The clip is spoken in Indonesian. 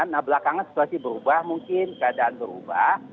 nah belakangan situasi berubah mungkin keadaan berubah